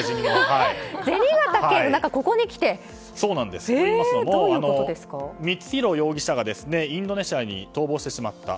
といいますのも、光弘容疑者がインドネシアに逃亡してしまった。